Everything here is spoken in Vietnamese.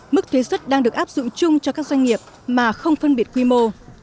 mức thuế xuất đang được áp dụng chung cho các doanh nghiệp mà không phân biệt quy mô